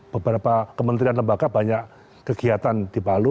beberapa kementerian lembaga banyak kegiatan di palu